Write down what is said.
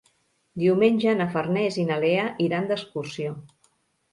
Diumenge na Farners i na Lea iran d'excursió.